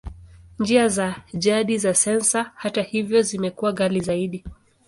Njia za jadi za sensa, hata hivyo, zimekuwa ghali zaidi.